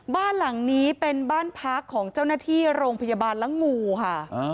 บ้านหลังนี้เป็นบ้านพักของเจ้าหน้าที่โรงพยาบาลละงูค่ะ